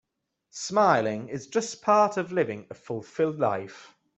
Smiling is just part of living a fulfilled life.